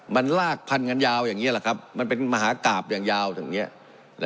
มันลากพันกันยาวอย่างนี้แหละครับมันเป็นมหากราบอย่างยาวอย่างนี้